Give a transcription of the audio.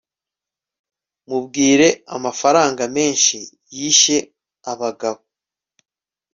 mubwire amafaranga menshi yishe abagabo